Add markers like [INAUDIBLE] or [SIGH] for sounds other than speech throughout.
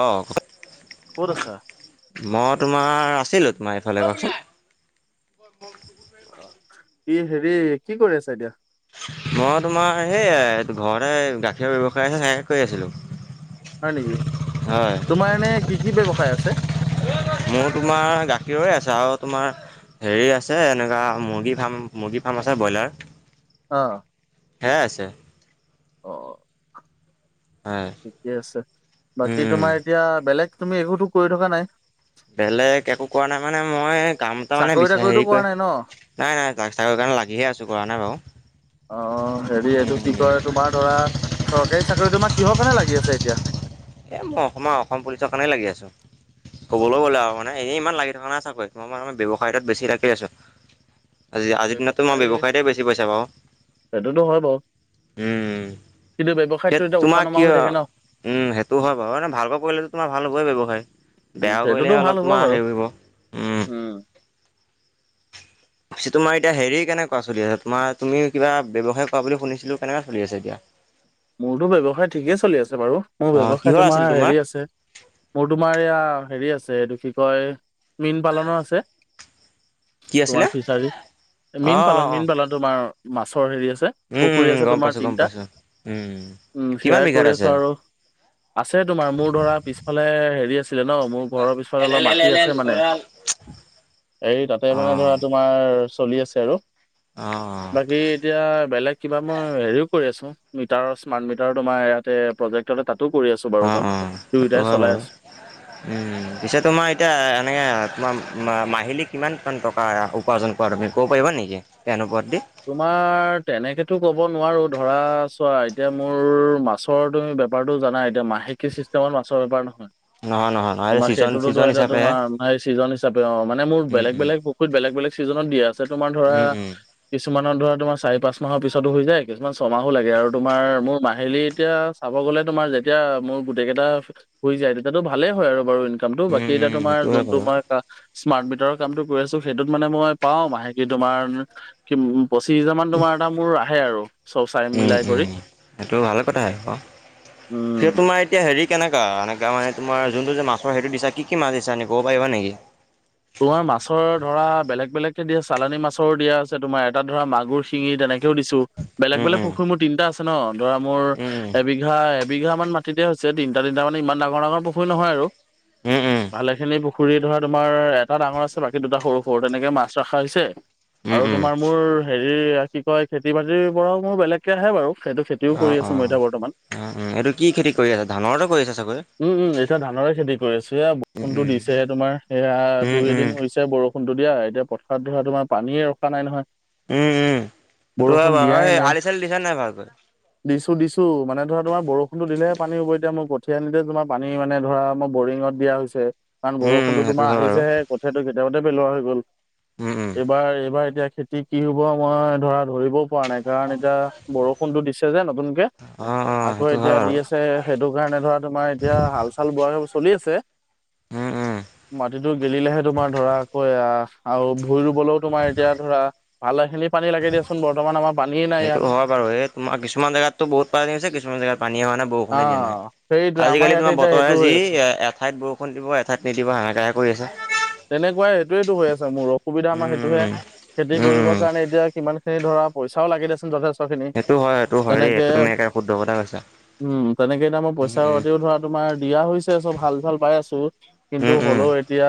অ [UNINTELLIGIBLE] ক'ত আছা? মই তোমাৰ আছিলো তোমাৰ এইফালে কওকচোন? ইয়ে হেৰি কি কৰি আছা এতিয়া? মই তোমাৰ সেইয়াই ঘৰতে গাখীৰ ব্যৱসায় সেয়াই কৰি আছিলোঁ। হয় নেকি হয়, তোমাৰ এনে কি- কি ব্যৱসায় আছে? মোৰ তোমাৰ গাখীৰৰে আছে আৰু তোমাৰ হেৰি আছে এনেকুৱা মুৰ্গী ফাৰ্ম -মুৰ্গী ফাৰ্ম আছে বইলাৰ। অহ', হেয়াই আছে। অ', হয় - হয় ঠিকেই আছে বাকি তোমাৰ এতিয়া বেলেগ তুমি একোটো কৰি থকা নাই? বেলেগ একো কৰা নাই মানে মই কাম এটা মানে চাকৰি বিচাৰি তাকৰিতো হেৰি কৰা কৈ নাই ন? নাই -নাই [UNINTELLIGIBLE] কাৰণে লাগিহে আছো কৰা নাই বাৰু। অ, হেৰি এইটো কি কয় তোমাৰ ধৰা চৰকাৰী চাকৰিটো মানে কিহৰ কাৰণে লাগি আছে এতিয়া? এই মই অকমান অসম পুলিচৰ কাৰণেই লাগি আছোঁ অ', ক'বলৈ গ'লে আও নাই এই ইমান লাগি থকা নাই চাকৰীত মই মানে ব্যৱসায়টোত বেছি লাগি আছো। আজি- আজিৰ দিনতটো মই ব্যৱসায় ব্যৱসায়তে বেছি পইচা পাওঁ। সেইটোতো হয় বাৰু উম, কিন্তু ব্যৱসায়তটো টেড এতিয়া উঠা তোমাৰ নমা হৈ কিয় থাকে ন? উম সেইটো হ'য় বাৰু ভালকে কৰিলেটো তোমাৰ ভাল হ'বই ব্যয়ৱসায় উম, বেয়া সেইটোতো কৰিলেহে ভাল অলপ হ'ব তোমাৰ বাৰু। হেৰি কৰিব উম উম, পিছে তোমাৰ এতিয়া হেৰি কেনেকুৱা চলি আছে তোমাৰ তুমি কিবা ব্যৱসায় কৰা বুলি শুনিছিলোঁ কেনেকা চলি আছে এতিয়া? মোৰটো ব্যৱসায় ঠিকেই চলি আছে বাৰু মোৰ অ' ব্যৱসায় কিহৰ তোমাৰ আছিল হেৰি আছে। মোৰ তোমাৰ এয়া হেৰি আছে এইটো কি কয় মীন পালনৰ আছে। কি আছিলে? তোমাৰ ফিচাৰী মীন অ', অ', পালন অ', মীন পালন তোমাৰ মাছৰ হেৰি আছে। পুখুৰী আছে তোমাৰ তিনটা। হুঁম। উম হেয়াই কৰি আছো আৰু আছে তোমাৰ মোৰ ধৰা পিছফালে হেৰি আছে ছিলে ন মোৰ ঘৰৰ পিছফালে অলপ মাটি আছে মানে অ', হেৰি তাতে মানে ধৰা অ', তোম তোমাৰ চলি আছে আৰু আঁ বাকি এতিয়া বেলেগ কিবা মই হেৰিও কৰি আছোঁ। মিটাৰৰ স্মাৰ্ট মিটাৰ তোমাৰ এয়াতে, প্ৰজেক্টটে তাতো কৰি আছো বাৰু অ', কাম অ', সেইটো দুয়োটাই হয় বাৰু। চলাই আছোঁ। উম, পিছে তোমাৰ এতিয়া এনেকে তোমাৰ মা মাহিলী কিমান মান টকা এয়া উপাৰ্জন বাৰু তুমি ক'ব পাৰিবা নেকি বেয়া নোপোৱা যদি। তোমাৰ তেনেকেটো ক'ব নোৱাৰো ধৰা চোৱা এতিয়া মোৰ মাছ মাছৰ তুমি বেপাৰটো জানাই এতিয়া মাহেকী চিষ্টেমত মাছৰ বেপাৰ নহয়। নহয় নহয় নহয় এইটো তোমাক ছিজন সেইতোটো ছিজন ধৰাএটিয়া হিচাপেহে তোমাৰ সেই চিজন হিচাপে অঁ মানে মোৰ উম বেলেগ উম বেলেগ, হুত বেলেগ বেলেগ চিজনত দি আছে তোমাৰ ধৰা উম উম কিছুমানত ধৰা তোমাৰ চাৰি-পাঁচমাহৰ পিছটো হৈ যায়, কিছুমান ছমাহো লাগে আৰু তোমাৰ মোৰ মাহিলী এতিয়া চাব গ'লে তোমাৰ যেতিয়া মোৰ গোটেই কেইটা শুই যায় তেতিয়াতো ভালে হয় আৰু বাৰু ইনকামটো উম বাকী এতিয়া উম তোমাৰ সেইটো হয় বাৰু যোনটোমানে। স্মাৰ্ট মিটাৰৰ কামটো কৰি আছো সেইটোত মানে মই পাও মাহেলী তোমাৰ, পঁচিছ হেজাৰমান তোমাৰ এটা মোৰ আহে আৰু চব চাই উম মিলাই কৰি উম সেইটো ভালে কথাহ ক সেইটো উম তোমাৰ এতিয়া হেৰি কেনেকা এনেকা মানে তোমাৰ যোনটো যে মাছৰ হেৰিটো দিছা কি কি মাছ দিছা নিব পাৰিবা নেকি? তোমাৰ মাছৰ ধৰা বেলেগ বেলেগকে দিয়া চালানী মাছৰো দিয়া আছে তোমাৰ এটাত ধৰা মাগুৰ, শিঙি তেনেকেও দিছোঁ। বেলেগ উম বেলেগ উম পুখুৰী মোৰ তিনটা আছে ন' ধৰা উম মোৰ এবিঘা বিঘা মান মাটিতে হৈছে তিনটা তিনটা মানে ইমান ডাঙৰ ডাঙৰ পুখুৰী নহয় আৰু উম উম উম ভালে খিনি পুখুৰী ধৰা তোমাৰ এট টা ডাঙৰ আছিল বাকি দুটা সৰু সৰু তেনেকে মাছ ৰখা হৈছে। উম আৰু উম তোমাৰ মোৰ হেৰি কি কয় খেতি -বাতিৰ পৰাও মোৰ বেলেগকে আহে বাৰু। সেইটো খেত্‌ তিও অ কৰি অ আছোঁ মই এতিয়া বৰ্তমান। উম উম, এইটো কি খেতি কৰি আছে ধানৰটো কৰি আছে চাগৈ। উম, উম এতিয়া ধানৰে খেতি কৰি আছোঁ। এয়া উম উম বৰষুণটো দিছেহে তোমাৰ সেয়া উম উম দুই-এদিন হৈছে বৰ ষুনটো দিয়া। এতিয়া পথাৰত ধৰা তোমাৰ পানীয়ে ৰখা নাই নহয়। উম উম সেইটো হয় বৰষুণ বাৰু দিয়াই এই নাই আলি চালি দিছা নাই ভালকে। দিছো দিছো মানে ধৰা তোমাৰ বৰষুণটো দিলে পানী হব এতিয়া মই, সতে তোমাৰ পানী মানে ধৰা ম বৰিঙত দিয়া হৈছে কাৰণ উম উম বৰষুণতো সেইটো তোমাৰ হয় বাৰু আহিছেহে। কঠীয়াটো কেতিয়াবাতে পেলোৱা হৈ গ'ল। উম উম এইবাৰ এইবাৰ এতিয়া খে কি হব মই ধৰা ধৰিব, পোৱা নাই কাৰণ এতিয়া বৰষুণটো দিছে যে নতুনকে অ অ আকৌ সেইটো হয় এতিয়া দি বাৰু আছে। সেইটো কাৰণে ধৰা তোমাৰ এতিয়া হাল চাল বোৱা চলি আছে। উম উম টো গেলিলেহে তোমাৰ ধৰা আকৌ আহ আৰু ভুই ৰুবলৈও তোমাৰ এতিয়া ধৰা, ভালেখিনি পানী লাগে দিয়াচোন বৰ্তমান আমাৰ, পানীয়ে নাই সেইটো ইয়াত হয় বাৰু এই তোমাৰ কিছুমান জেগাততো বহুত পানী হৈছে কিছুমান জেগাত পানীয়ে হোৱা নাই। অ বৰষুণে দিয়া নাই সেইটোৱে আমাৰ আজিকালি ইয়াতে তোমাৰ এতিয়া সেইটো বতৰহে হৈ যি আছে এ এঠাইত বৰষুণ দিব এঠাইত [UNINTELLIGIBLE] হাহাকাৰ কৰি আছে। তেনেকুৱাই সেইটোৱেটো হৈ আছে মোৰ অসুবিধা আমাৰ সেইটোহে, উম খেতি উম কৰিবৰ উম কাৰণে এতিয়া ইমান খিনি ধৰা পইচাও লাগি দিয়া চোন যথেষ্ট। খিনি সেইটো হয় সেইটো হয় দেই তেনেকে এইটো তুমি একে শুদ্ধ কথা কৈছা। উম তেনেকে এতিয়া মই উম পইচা উম পাতিও ধৰা তোমাৰ দিয়া হৈছে চব হাল চাল বাই আছো। কিন্তু উম উম হলেও এতিয়া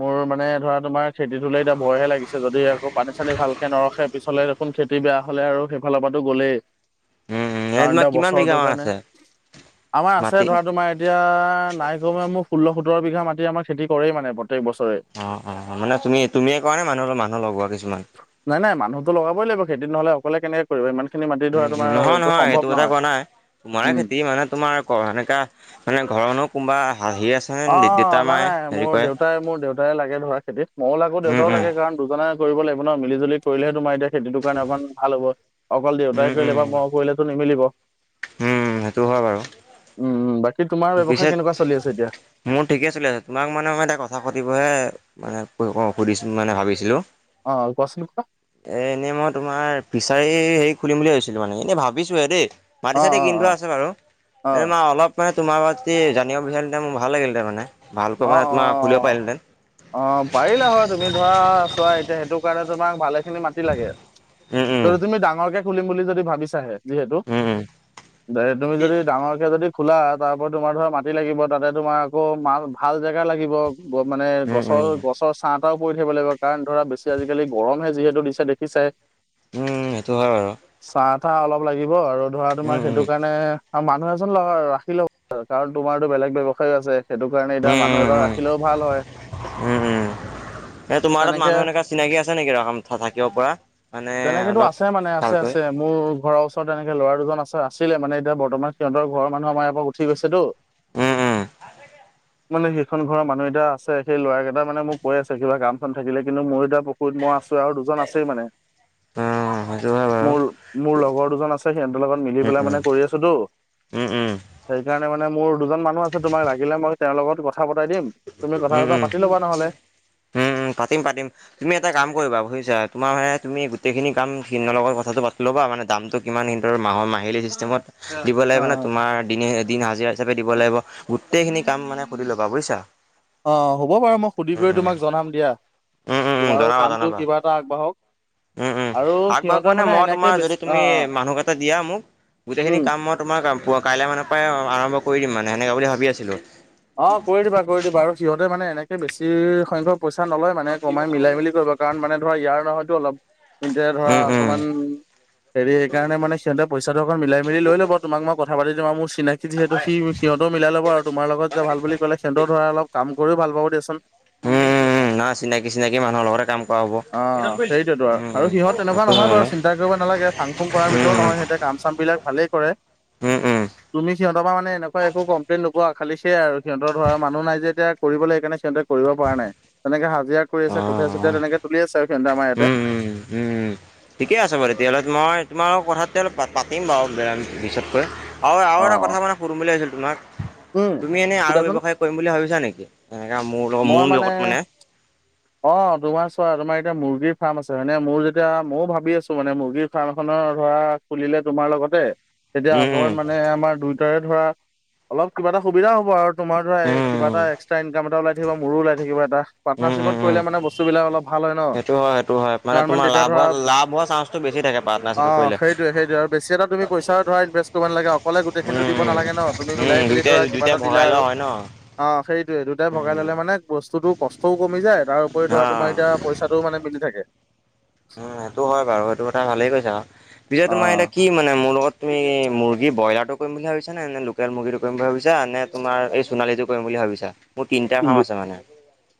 মোৰ মানে ধৰা তোমাৰ খেতিটোলে এতিয়া ভয়হে লাগিছে যদি আকৌ পানী-চানী ভালকে নৰখে, পিছলে ধান খেতি বেয়া হ'লে আৰু সেইফালৰ পৰাটো গ'লেই। উম উম এনে কাৰণ তোমাৰ এটা কিমান বিঘা বছৰটোৰ মান কাৰণে, আছে আমাৰ আছে মাটি ধৰা তোমাৰ এতিয়া নাই কমেও মোৰ ষোল্ল-সোতৰ বিঘা মাটি আমাৰ খেতি কৰেই মানে প্ৰত্যেক বছৰে। অ', অ', মানে তুমি-তুমিয়ে কৰা নে, মানুহৰ মানুহ লগোৱা কিছুমান? নাই নাই মানুহতো লগাবই লাগিব, খেতিত নহলে অকলে কেনেকে কৰিবা ইমান খিনি মাটি উম, ধৰা উম, তোমাৰ নহয় এইটো নহয় সেইটো সম্ভৱ কথা নহয়। কোৱা নাই তোমাৰে উম। খেতি মানে তোমাৰ ক সেনেকা মানে ঘৰৰনো কোনোবা হাঁহি আছে নে দেউতা অ', নাই মায়ে নাই, হেৰি মোৰ কৰে দেউতাই মোৰ দেউতাই লাগে ধৰা খেতিত, মইয়ো লাগো উম, দেউতাও উম, লাগে কাৰণ দুজনে কৰিব লাগিব ন, মিলি-জুলি কৰিলেহে তোমাৰ এতিয়া খেতিতো কাৰণে অকমান ভাল হব। অকল উম, দেউতাই উম, কৰিলে বা মই কৰিলেতো নিমিলিব। উম, সেইটো হয় বাৰু। উম, বাকী তোমাৰ পিছে ব্যৱসায় কেনেকুৱা চলি আছে এতিয়া? মোৰ ঠিকে চলি আছে, তোমাক মানে মই এটা কথা সুধিবহে মানে সুধিছো মানে ভাবিছিলোঁ। অ', কোৱাচোন কোৱা? এ এনেই মই তোমাৰ ফিছাৰী হেৰি খুলিম বুলি ভাবিছিলোঁ, মানে এনেই ভাবিছোঁহে দেই। অ মাটি-চাতি অ কিনি অ থোৱা আছে বাৰু, এ মা অলপ মানে তোমাৰ [UNINTELLIGIBLE] জানিব অ অ অ [UNINTELLIGIBLE] অ', পাৰিলা হয় তুমি ধৰা চোৱা এতিয়া সেইটো কাৰণে তোমাক ভালে খিনি মাতি তি লাগে। উম, ত' উম, যদি তুমি ডাঙৰকে খুলিম বুলি যদি ভাবিছাহে যিহেতু। উম, দে তুমি যদি ডাঙৰকে যদি খোলা, তাৰপা তোমাৰ ধৰা মাটি লাগিব তাতে তোমাৰ আকৌ মাল ভাল জাগা লাগিব। ব মানে উম, উম, গছৰ উম। গছৰ চাহ-টাহও পৰি থাকিব লাগিব, কাৰণ ধৰা বেছি আজিকালি গৰমহে যিহেতু দিছে দেখিছাই। উম, সেইটো হয় বাৰু। চাহ-তাহ অলপ লাগিব আৰু ধৰা তোমাৰ উম, সেইটো উম, কাৰণে আৰু মানুহ এজন ৰাখি লবা, কাৰণ তোমাৰতো বেলেগ ব্যৱসায়ো আছে সেইটো কাৰণে এতিয়া মানুহ উম, এজন উম, ৰাখিলেও ভাল হয়। উম, উম, এ তোমাৰ তাত তেনেকে মানুহ এনেকা চিনাকি আছে নেকি ৰ কাম থাকিব পৰা? মানে তেনেকেতো অলপ আছে মানে আছে, ভালকৈ আছে। মোৰ ঘৰৰ ওচৰত এনেক ল'ৰা দুজন আছে, আছিলে মানে এতিয়া বৰ্তমান সিহঁতৰ ঘৰৰ মানুহ আমাৰ ইয়াৰ পৰা উঠি গৈছে টো। উম, উম। মানে সেইখন ঘৰৰ মানুহ এতিয়া আছে, সেই লৰা কেইটা মানে মোক কৈ আছে কিবা কাম-চাম থাকিলে কিন্তু মইও এতিয়া কত মই আছো আৰু দুজন আছেই মানে। উম, সেইটো হয় বাৰু মোৰ, মোৰ লগৰ দুজন আছে সিহঁতৰ লগত মিলি উম, পেলাই উম, মানে কৰি আছোতো। উম, উম, সেইকাৰণে মানে মোৰ দুজন মানুহ আছে তোমাক লাগিলে মই তেওঁৰ লগত কথা পতাই দিম। তুমি উম, উম, কথা-চথা পাতি ল'বা নহলে। উম, উম, পাতিম পাতিম। তুমি এটা কাম কৰিবা বুজিছা, তোমাৰ মানে তুমি গোটেইখিনি কাম সিহঁতৰ লগ কথাটো পাতি লবা, মানে দামটো কিমান সিনতৰ মাহৰ মাহিলী চিষ্টেমত দিব অ লাগিবানে তোমাৰ দিনে দিন হাজিৰা। হিচাপে দিব লাগিব, গোটেইখিনি কাম মানে সুধি লবা বুজিছা। অ', হ'ব বাৰু মই সুধি উম, কৰি উম, তোমাক জনাম দিয়া, উম, উম, তোমাৰো জনাবা, কামটো জনাবা। কিবা এটা আগবাঢ়ক। উম উম, আৰু আগবাঢ়ক সিহঁতে মানে মই এনেকে তোমাৰ বেছি যদি অ তুমি অ মানুহকেইটা দিয়া মোক, গোটেইখিনি উম কাম মই তোমাৰ কাম, পুৱা কাইলৈ মানৰ পৰাই আৰম্ভ কৰি দিম মানে সেনেকুৱা বুলি ভাবি আছিলোঁ। অ', কৰি দিবা, কৰি দিবা আৰু সিহঁতে মানে এনেকে বেছি সংখ্যক পইচা নলয় মানে কমাই মিলাই মিলি কৰিব কাৰণ মানে ধৰা ইয়াৰ নহয়তো অলপ তেন্তে ধৰা উম উম অকমান হেৰি সেইকাৰণে মানে সিহতে পইচা টো আকো মিলাই মিলি লৈ লব, তোমাক মই কথা পাতি তোমাৰ মোৰ চিনাকি উম যিহেতু, সি সিহঁতৰ মিলাই ল'ব আৰু তোমাৰ লগত যে ভাল বুলি ক'লে সিহঁতৰ ধৰা অলপ কাম কৰিও ভাল পাব দিয়াচোন। উম উম উম, নহয় চিনাকি চিনাকি মানুহৰ লগতে কাম কৰা হব। অ সেইটোৱেতো আৰু উম, আৰু উম, সিহঁত তেনেকুৱা ইটো নহয় বাৰু হয়। চিন্তা কৰিব নালাগে ফাং-ফোং কৰা বিধৰতো নহয় সিহঁতে, কাম-চাম বিলাক ভালেই কৰে। উম উম উম তুমি সিহঁতৰ পৰা মানে একো কমপ্লেইন নুপোৱা খালি সেয়া আৰু সিহঁতৰ ধৰ মানুহ নাই যে এতিয়া কৰিব লাগ সেইকাৰণে সিহঁতে কৰিব পৰা নাই। তেনেকে হাজিৰা কৰি অ আছে কঠীয়া অ চুঠীয়া তেনেকে তুলি আছে আৰু সিহঁতে আমাৰ ইয়াতে। উম উম উম। ঠিকে আছে বাৰু তেতিয়াহ'লে মই তোমাৰ কথা তেতিয়াহলে পাতিম বাৰু পিছতকৈ। অ' আৰু এটা কথা মানে সুধোম বুলি ভাবিছিলোঁ তোমাক, উম। তুমি এনেই আৰু সোধাচোন ব্যৱসায় কৰিম বুলি ভাবিছা নেকি? এনেকা মোৰ লগত মই মোৰ মানে লগত অ' তোমাৰ চোৱা তোমাৰ এতিয়া মুৰ্গীৰ ফাৰ্ম আছে হয়নে? মোৰ যেতিয়া মৌ ভাবি আছোঁ মানে মুৰ্গীৰ ফাৰ্ম এখনৰ ধৰা খুলিলে তোমাৰ লগত তেতিয়া উম, উম, অকমান মানে আমাৰ দুয়ইটাৰে ধৰা অলপ কিবা এটা সুবিধা হ'ব আৰু। তোমাৰ ধৰা কিবা এটা উম, একট্ৰা ইনকাম এটা ওলাই থাকিব, মোৰো ওলাই থাকিব এটা। উম, উম, পাৰ্নাৰশ্বিপত উম। কৰিলে মানে বস্তুটো বস্তু বিলাক অলপ ভাল হয় সেইটো হয়, সেইটো হয়, মানে ন? তোমাৰ তেতিয়া লাভ ধৰা হোৱা লাভ হোৱা চান্সটো বেছি থাকে পাৰ্টনাৰশ্বিপটো অ', কৰিলে। সেইটোৱে-সেইটোৱে আৰু বেছি এটা তুমি পইচা ধৰা ইনভেষ্ট কৰিব নালাগে, অকলে গোটেইখিনিটো দিব উম, নালাগে ন? তুমি উম, মিলাই মিলি দুইটাই ধৰা কিবা দুইটাই এটা দিলা ভগাই লোৱা আৰু। হয় ন। অ', সেইটোয়ে এই দুটাই ভগাই উম, ললে মানে বস্তুতো কষ্টও কমি যায়, তাৰ উপৰি ধৰা তোমাৰ অ', এতিয়া পইচাটোও মানে মিলি থাকে। উম, সেইটো হয় বাৰু সেইটো কথা ভালেই কৈছা আৰু। পিছে অ তোমাৰ এতিয়া কি মানে মোৰ লগত তুমি মুৰ্গী ব্ৰইলাৰটো কৰিম বুলি ভাবিছ নে, নে লোকেল মুৰ্গীটো কৰিম বুলি ভাবিছা, নে তোমাৰ এই সোনণালীটো কৰিম বুলি ভাবিছা? মোৰ তিনিটা ফাৰ্ম লো আছে মানে।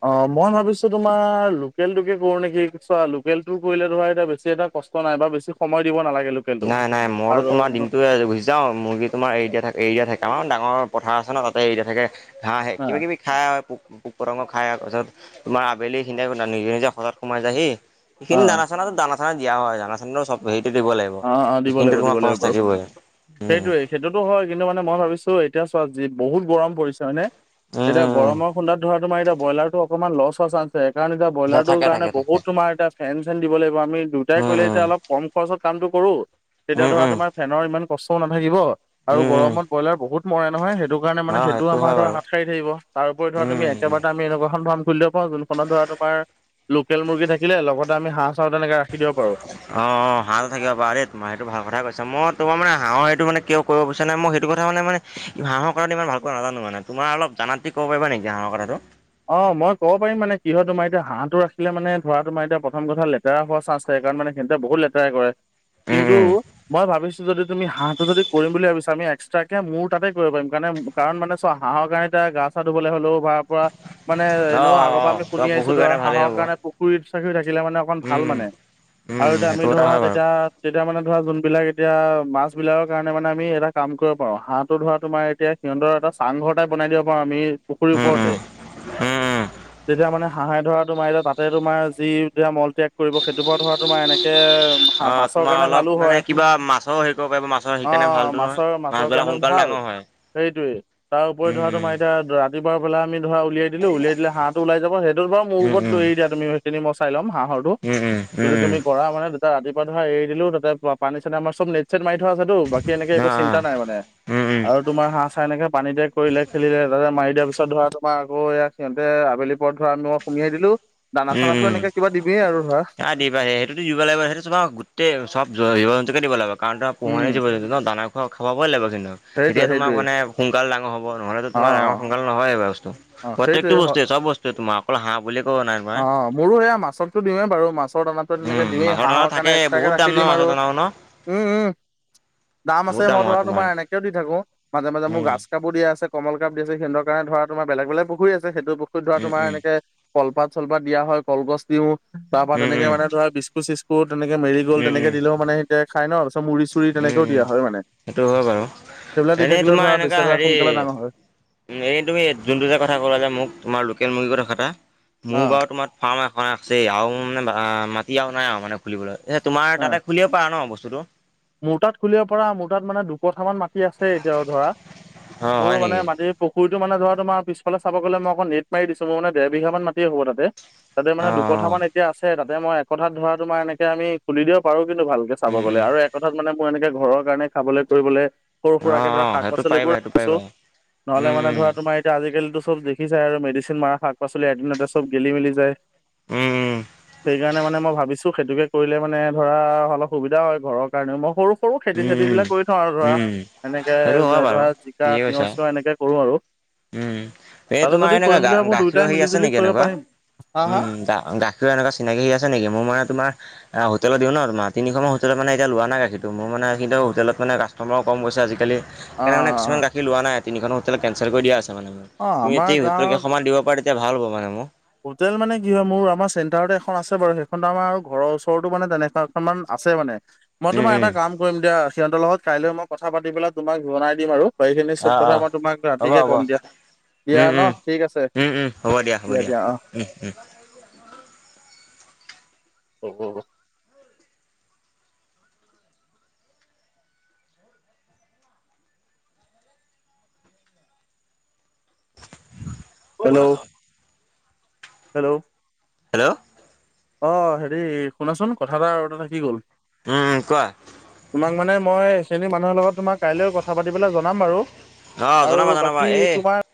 অ', মই ভাবিছোঁ তোমাৰ লোকেলটোকে কৰো নেকি? চোৱা লোকেলটো কৰিলে তোমাৰ এতিয়া বেছি এটা কষ্ট নাই বৰ বেছি সময় দিব নালাগে লোক নাই-নাই মইতো তোমাৰ দিনটোয়ে গুছি যাওঁ মুৰ্গী তোমাৰ এৰিদিয়া থাকে এৰিদিয়া থাকে থাকে আমাৰ ডাঙৰ পথাৰ আছে ন তাতে এৰিদিয়া থাকে, ঘাঁহে অ কিবা কিবি খাই পোক-পোক পতংগ খাই পাছত তোমাৰ আবেলি খিনিয় নিজে-নিজে হঠৎ সোমাই যায়হি। অ সেইিনি দানা চানাটো দানা চানা দিয়া হয়, দানা চানা টো চব হেৰিটো দিব লাগিব। অ', অ', দিব সেইখিনিতো তোমাৰ লাগিব-দিব খৰচ লাগিব বাৰু, থাকিবই উম সেইটোৱেই। সেইটোতো হয় কিন্তু মানে মই ভাবিছোঁ এতিয়া চোৱা যি বহুত গৰম পৰিছে হয়নে? উম এতিয়া গৰমৰ উম খুন্দাত ধৰা তোমাৰ এতিয়া ব্ৰইলাৰটো অকনমান লছ হোৱা চান সেই কাৰণে এতিয়া ব্ৰইলাৰটোৰ থাকে কাৰণে থাকে থাকে বহুত তোমাৰ এতিয়া ফেন চেন দিব লাগিব আমি দুটাই কৰিলে এতিয়া উম অলপ কম খৰচত কামটো কৰোঁ, তেতিয়া উম উম ধৰা উম তোমাৰ ফেনৰ ইমান কষ্টও নাথাকিব আৰু উম উম গৰমত ব্ৰইলাৰ বহুত মৰে নহয় সেইটো কাৰণে অ মানে সেইটো আমাৰ হয় ধৰা বাৰু হাত সাৰ থাকিব, তাৰোপৰি ধৰা তুমি উম একেবাৰে আমি এনেকুৱা এখন ফ্ৰাম খুলিলে যোনখনত ধৰা তোমাৰ লোকেল মুৰ্গী থাকিলে লগতে আমি হাঁহ চাও তেনেকে ৰাখি দিব পাৰোঁ। অ', অ', হাঁহ থাকিব পাৰা দেই তোমাৰ সেইটো ভাল কথাই কৈছা। মই তোমাৰ মানে হাঁহৰ সেইটো মানে কিয় কৰিব বিচৰা নাই মই সেইটো কথা মানে-মানে কি হাঁহৰ কথাটো ইমান ভালকৈ নাজানো মানে তোমাৰ অলপ জানাতকে ক'ব পাৰা নেকি হাঁহৰ কথাটো? অ', মই কব পাৰিম মানে কি হয় তোমাৰ এতিয়া হাঁহটো ৰাখিলে মানে ধৰা তোমাৰ এতিয়া প্ৰথম কথা লে লেতেৰা হোৱা চান্স থাকে কাৰণ মানে সিহঁতে বহুত লেতেৰা কৰে উম, কিন্তু উম। মই ভাবিছোঁ যদি তুমি হাঁহটো যদি কৰিম বুলি ভাবিছা আমি এক্সট্ৰাকে মোৰ তাতে কৰিব পাৰিম কাৰণ-কাৰণ মানে চোৱা হাঁহৰ কাৰণে এতিয়া গা চা ধুবলৈ হ'লেও ভাড় পৰা মানে অ', এনেও আগৰ পৰা অ', আমি তোমাৰ শুনি আহিছোঁ পুখুৰীৰ ধৰা কাৰণে ভালেই হাঁহৰ হ'ব উম, কাৰণে পুখুৰী চুখুৰী থাকিলে মানে অকণ ভাল উম, মানে। উম, আৰু এতিয়া আমি সেইটো কথা ধৰা হয় বাৰু তেতিয়া তেতিয়া মানে ধৰা যোনবিলাক এতিয়া মাছ বিলাকৰ কাৰণে মানে আমি এটা কাম কৰিব পাৰোঁ, হাঁহটো ধৰা তোমাৰ এতিয়া সিহঁতৰ এটা চাংঘৰ এটা বনাই দিব পাৰোঁ আমি পুখুৰীৰ উম, উম, ওপৰতে। উম, উম। যেতিয়া মানে হাঁহে ধৰা তোমাৰ এতিয়া তাতে তোমাৰ যি এতিয়া মল ত্যাগ কৰিব সেইটোৰ পৰা ধৰা তোমাৰ এনেকে হা অ', মাছৰ তোমাৰ কাৰণে অলপ ভালো মানে হয়, কিবা মাছৰ হেৰি কৰিব পাৰিব মাছৰ সেইকাৰণে অ', ভালটো নহয়। মাছৰ- মাছৰ মাছবিলাক কাৰণেও সোনকালে ভাল। ডাঙৰ হয় সেইটোৱে। তাৰ ওপৰি ধৰা তোমাৰ উম, এতিয়া ৰা ৰাতিপুৱা বোলা আমি ধৰা উলিয়াই দিলোঁ উলিয়াই দিলে হাঁহ ওলাই যাব সেইটোত বাৰু মোৰ উম, ওপৰত উম, এৰি দিয়া তুমি সেইখিনি মই চাই ল'ম হাঁহৰটো, উম, উম, উম, উম, যদি উম, তুমি কৰা মানে এ ৰাতিপুৱা ধৰা এৰি দিলোঁ, তাতে পানী চানী আমাৰ চব নেট চেট মাৰি থোৱা আছেতো বা কী এনেকে অ', একো চিন্তা অ', নাই মানে, উম, উম, আৰু তোমাৰ হাঁহ চাঁহ এনেকে পানীতে কৰিলে খেলিলে, তাতে মাৰি দিয়া পিছত ধৰা আমাৰ আকৌ ইয়াক সিহঁতে আবেলি পৰত ধৰা আমি সুমিয়াই দিলোঁ। দানা চানাতো এনেকে কিবা দিবিয়েই আৰু ধৰা। দিবা সেইটোটো দিব লাগিব সেইটো তোমাৰ গোটেই চব জীৱ জন্তুকে দিব লাগিব কাৰণ, তোমাৰ উম, পোহনীয়া জীৱ জন্তু ন দানা খ খুৱাবই লাগিব কিন্তু, তেতিয়া সেইটোৱে তোমাক সেইটোৱে মানে সোনকাল ডাঙৰ হ'ব নহলেতো অ', তোমাৰ ডাঙৰ অ', সোনকাল নহয়েই এইবোৰ বস্তু। অ', প্ৰত্যেকটো সেইটোৱে হয়। বস্তুয়ে চব বস্তুয়ে তোমাৰ, অকল হাঁহ বুলি ক'ব নাই তোমাৰ অ', মোৰো সেয়া মাছকটো দিওঁৱে বাৰু, মাছৰ দানা [UNINTELLIGIBLE] এনেকে উম দিওঁৱেই মাছৰ দানা হাঁহৰ থাকে কাৰণে বহুত এক্সট্ৰাকে দাম ৰাখি ন দিম মাছৰ আৰু, দানাও ন উম, উম। দাম আছে মই ধৰা তোমাৰ এনেকেও দি থাকো, মাজে- মাজে মোৰ উম গাছ কাপো দিয়া আছে, কমন কাপ দি আছে সিহঁতৰ কাৰণে ধৰা তোমাৰ বেলেগ- বেলেগ পুখুৰী আছে, সেইটো পুখুৰীত ধৰা উম তোমাৰ উম এনেকে কলপাত চলপাত দিয়া হয় কলগছ দিওঁ। তাৰ পৰা উম তেনেকে উম মানে ধৰা বিস্কুট চিস্কোট তেনেকে মেৰি গ'ল উম উম তেনেকে দিলেও মানে এ খাই ন, তাৰপিছত মুড়ি চুৰি উম তেনেকেও উম দিয়া হয় মানে। সেইটো হয় বাৰু সেইবিলাক দি এনেই থাকিলেও তোমাৰ ধৰা বেছি এনেকুৱা এটা সোনকালে হেৰি ডাঙৰ হয়। এই তুমি যোনটো যে কথা ক'লা যে মোক তোমাৰ লোকেল মুৰ্গীৰ কটা কথা, অ মোৰ বাৰু তোমাৰ ফাৰ্ম এখন আছেই আৰু মানে মাটি আৰু নাই আৰু মানে। খুলিবলে, এ তোমাৰ অ তাতে খুলিব পাৰা ন বস্তুটো। মোৰ তাত খুলিব পাৰা, মোৰ তাত মানে দুকঠামান মাটি আছে এতিয়াও ধৰা, অ মোৰ হয় মানে নেকি মাটি পুখুৰটো মানে ধৰা তোমাৰ পিছফালে চাব গ'লে মই অকণমান নেট মাৰি দিছো মোৰ মানে দেৰ বিঘা মান মাটি হ'ব তাতে। তাতে অ অ মানে দুকথা মান এতিয়া আছে, তাতে মই এক কথাত ধৰা তোমাৰ এনেকে আমি খুলি দিব পাৰো কিন্তু ভালকে চাব উম গ'লে উম আৰু এক কথাত মানে মোৰ এনেকে ঘৰৰ কাৰণে খাবলে কৰিবলে সৰু অ সুৰাকে অ ধৰা শাক সেইটো পাচলিবোৰ পাৰিবা সেইটো ৰাখিছো, পাৰিবা নহ'লে মানে উম ধৰা তোমাৰ এতিয়া আজিকালিটো চব দেখিছায় আৰু মেডিচিন মাৰা শাক পাচলি এদিনতে চব গেলি মেলি যায়। উম উম সেইকাৰণে মানে মই ভাবিছো, সেইটোকে কৰিলে মানে ধৰা অলপ সুবিধা হয় ঘৰৰ কাৰণে, মই সৰু- সৰু খেতি চেতি বিলাক কৰি থওঁ আৰু উম উম ধৰা। উম উম এনেকে সেইটো হয় বাৰু ধৰা জিকা ঠিকে তিয়হ কৈছা চিয়হ এনেকে কৰো আৰু। উম, এই তাতে তোমাৰ যদি এনেকুৱা কৰিম গা বুলি ভাবো গাখীৰৰ দুয়োটাই হেৰি মিলি আছে জুলি নেকি কৰিব এনেকুৱা, পাৰিম। হা হা? উম, গা- গা এনেকুৱা চিনাকি আছে নেকি মোৰ মানে তোমাৰ হোটেলত দিওঁ ন তোমাৰ, তিনিখনমান হোটেলত মানে এতিয়া লোৱা নাই গাখীৰ ত' মোৰ মানে কিন্তু হোটেলত মানে কাষ্টমাৰো কম গৈছে আজিকালি, অ সেইকাৰণে মানে অ কিছুমান লোৱা নাই তিনিখন হোটেল কেঞ্চেল কৰি দিয়া আছে মানে মোৰ, অ তুমি আমাৰ [UNINTELLIGIBLE] হোটেল গাঁৱৰ কেইখনমান দিব পাৰা তেতিয়া ভাল হ'ব মানে মোৰ। হোটেল মানে কি হয় মোৰ আমাৰ চেণ্টাৰটে এখন আছে বাৰু সেইখনতো আমাৰ ঘৰৰ ওচৰতো মানে তেনেকুৱা এখনমান আছে মানে। মই উম, তোমাৰ উম, এটা কাম কৰিম দিয়া, সিহঁতৰ লগত কাইলৈ মই কথা পাতি পেলাই তোমাক জনাই দিম আৰু। বাকীখিনি চব অ', কথা অ'। মই তোমাক হ'ব ৰাতিকে হ'ব। কম দিয়া, দিয়া উম, ন উম, ঠিক আছে। উম, উম, হ'ব দিয়া- হ'ব দিয়া, উম, উম। [UNINTELLIGIBLE] ক'ত হেল্ল' আছ। হেল্ল'। হেল্ল'। অ', হেৰি শুনাচোন কথা এটা আৰু এটা থাকি গ'ল। উম, কোৱা। তোমাক মানে মই [UNINTELLIGIBLE] মানুহৰ লগত তোমাৰ কাইলৈ কথা পাতি পেলাই জনাম বাৰু, অ', আৰু জনাবা জনাবা বাকী এই তোমাৰ